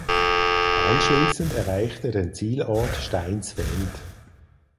Anschließend erreicht er den Zielort Steinsfeld